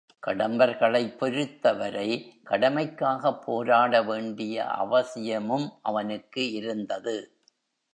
கடம்பர்களைப் பொருத்தவரை கடமைக்காகப் போராட வேண்டிய அவசியமும் அவனுக்கு இருந்தது.